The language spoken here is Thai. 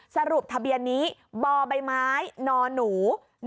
สรุปทะเบียนนี้บใบไม้นหนู